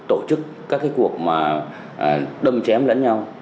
tổ chức các cuộc đâm chém lẫn nhau